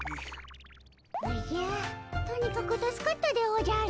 おじゃとにかく助かったでおじゃる。